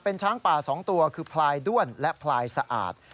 เป็นช้างป่า๒ตัวคือพลายด้วนและพลายสะอาด